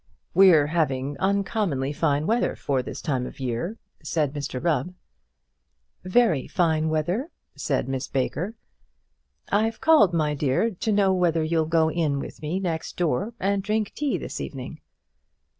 "We're having uncommonly fine weather for the time of year," said Mr Rubb. "Very fine weather," said Miss Baker. "I've called, my dear, to know whether you'll go in with me next door and drink tea this evening?"